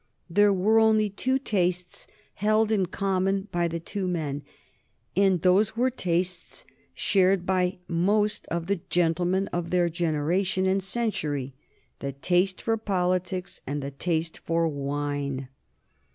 There were only two tastes held in common by the two men, and those were tastes shared by most of the gentlemen of their generation and century, the taste for politics and the taste for wine.